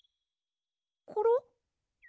コロ？